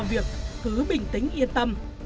do việc cứ bình tĩnh yên tâm